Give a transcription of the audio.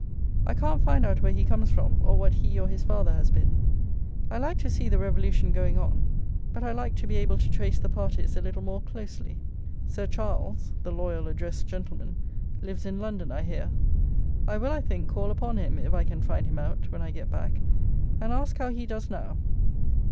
I can't find out where he comes from, or what he or his father has been. I like to see the revolution going on; but I like to be able to trace the parties a little more closely. "Sir Charles," the loyal address gentleman, lives in London, I hear. I will, I think, call upon him (if I can find him out) when I get back, and ask how he does now?